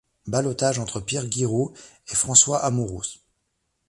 Ballotage entre Pierre Guiraud et François Amoros.